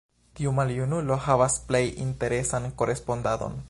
Tiu maljunulo havas plej interesan korespondadon.